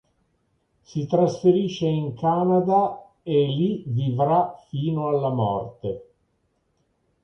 Si trasferisce in Canada e lì vivrà fino alla morte.